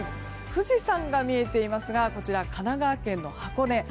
富士山が見えていますがこちら神奈川県の箱根。